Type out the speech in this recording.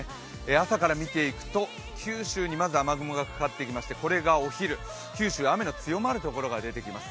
朝から見ていくと、九州にまず雨雲がかかってきましてこれがお昼、九州は雨の強まるところが出てきます。